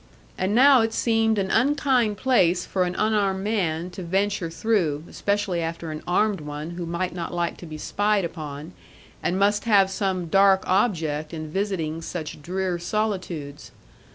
And now it seemed an unkind place for an unarmed man to venture through, especially after an armed one who might not like to be spied upon, and must have some dark object in visiting such drear solitudes.